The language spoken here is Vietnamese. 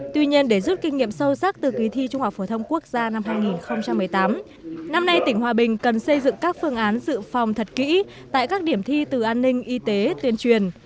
tuy nhiên để rút kinh nghiệm sâu sắc từ kỳ thi trung học phổ thông quốc gia năm hai nghìn một mươi tám năm nay tỉnh hòa bình cần xây dựng các phương án dự phòng thật kỹ tại các điểm thi từ an ninh y tế tuyên truyền